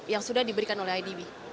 yang sudah diberikan oleh idb